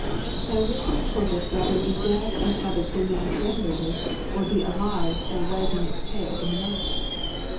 Now would this tortoise rather be dead and have its remains venerated, or be alive and wagging its tail in the mud?"